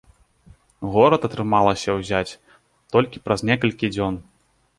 Горад атрымалася ўзяць толькі праз некалькі дзён.